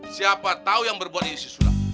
siapa tau yang berbuat ini si sulam